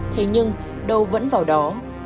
thế nhưng đâu vẫn vào đó